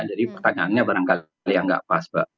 jadi pertanyaannya barangkali yang tidak pas